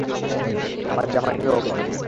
আমার জামাইও অকেজো!